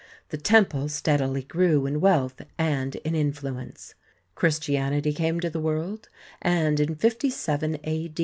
The temple steadily grew in wealth and in influence. Christianity came to the world, and in 57 A.